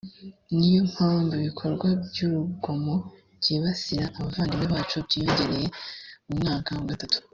ni yo mpamvu ibikorwa by urugomo byibasira abavandimwe bacu byiyongereye mu mwaka wa gatatu